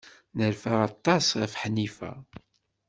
Nerfa aṭas ɣef Ḥnifa.